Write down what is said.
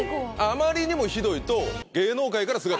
あまりにもひどいと。